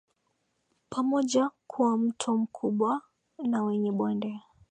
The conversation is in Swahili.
pamoja Kuwa mto mkubwa na wenye bonde